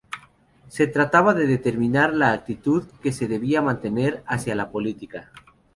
Se trataba de determinar la actitud que se debía mantener hacia la política.